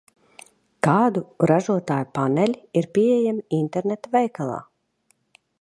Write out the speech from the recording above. Kādu ražotāju paneļi ir pieejami interneta veikalā?